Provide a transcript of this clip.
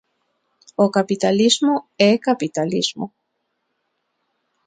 O capitalismo é capitalismo.